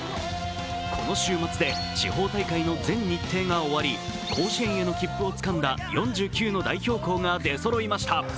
この週末で地方大会の全日程が終わり、甲子園への切符をつかんだ４９の代表校が出そろいました。